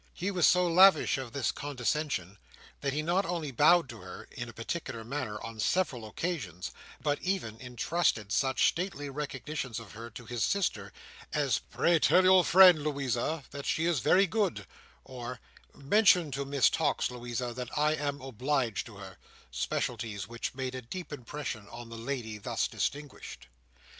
He was so lavish of this condescension, that he not only bowed to her, in a particular manner, on several occasions, but even entrusted such stately recognitions of her to his sister as "pray tell your friend, Louisa, that she is very good," or "mention to Miss Tox, Louisa, that I am obliged to her;" specialities which made a deep impression on the lady thus distinguished.